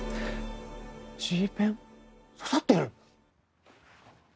Ｇペン？刺さってる？